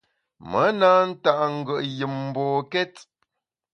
Me na nta’ ngùet yùm mbokét.